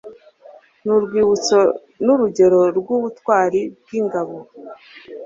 ni urwibutso n'urugero rw'ubutwari bw'ingabo